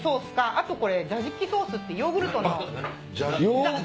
あとこれザジキソースってヨーグルトのソース。